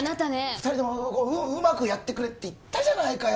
２人ともうまくやってくれって言ったじゃないかよ